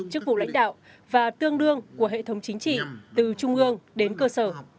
chức vụ lãnh đạo và tương đương của hệ thống chính trị từ trung ương đến cơ sở